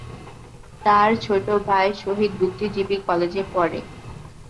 তার ছোট ভাই শহীদ বুদ্ধিজীবী কলেজে পড়ে।